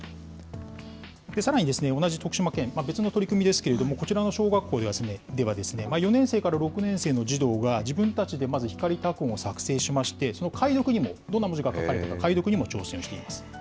さらに、同じ徳島県、別の取り組みですけれども、こちらの小学校では、４年生から６年生の児童が、自分たちでまずひかり拓本を作製しまして、その解読にもどんな文字が書かれているのか、解読にも挑戦しています。